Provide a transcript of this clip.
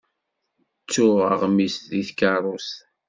Ttuɣ aɣmis deg tkeṛṛust.